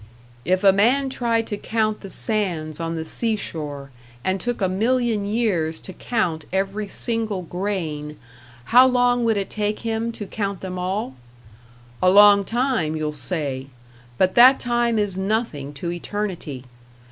"If a man tried to count the sands on the sea shore and took a million years to count every single grain, how long would it take him to count them all? A long time, you'll say. But that time is nothing to eternity.